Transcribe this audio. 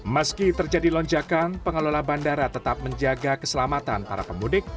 meski terjadi lonjakan pengelola bandara tetap menjaga keselamatan para pemudik